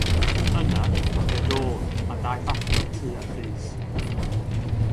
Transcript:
Yna, fe drodd a daeth allan o'r tŷ ar frys.